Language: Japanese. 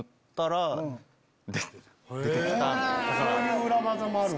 そういう裏技もあるんだ。